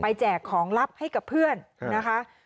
แจกของลับให้กับเพื่อนนะคะ